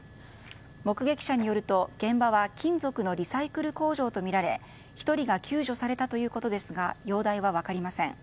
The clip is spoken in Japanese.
目撃者によると現場は金属のリサイクル工場とみられ１人が救助されたということですが容体は分かりません。